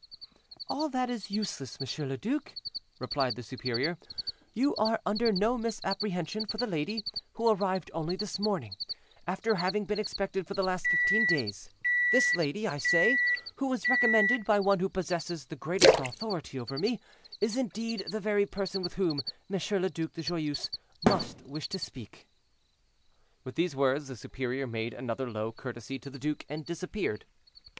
"All that is useless, Monsieur le Duc," replied the superior, "you are under no misapprehension for the lady, who arrived only this morning, after having been expected for the last fifteen days; this lady, I say, who was recommended by one who possesses the greatest authority over me, is indeed the very person with whom Monsieur le Duc de Joyeuse must wish to speak." With these words the superior made another low courtesy to the duke and disappeared.